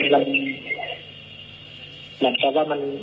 เหมือนจะว่ามัน